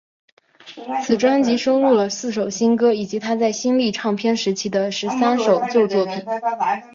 此专辑收录了四首新歌以及她在新力唱片时期的十三首旧作品。